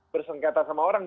bersengketa sama orang